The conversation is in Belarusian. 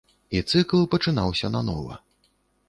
І цыкл пачынаўся нанова.